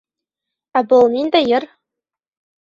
Ә был ниндәй йыр?